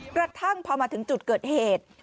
กระทั่งพอมาถึงจุดเกิดเหตุ